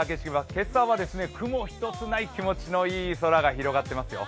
今朝は雲一つない気持ちのいい空が広がっていますよ。